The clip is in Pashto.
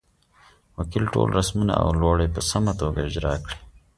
وکیل ټول رسمونه او لوړې په سمه توګه اجرا کړې.